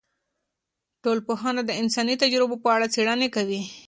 ټولنپوهنه د انساني تجربو په اړه څیړنې کوي.